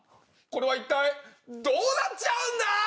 これはいったいどうなっちゃうんだ